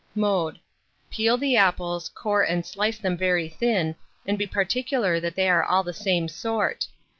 Mode. Peel the apples, core and slice them very thin, and be particular that they are all the same sort.